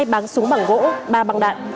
hai báng súng bằng gỗ ba băng đạn